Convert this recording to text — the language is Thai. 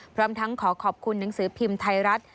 พร้อมทั้งขอขอบคุณหนังสือพิมพ์ไทยรัฐ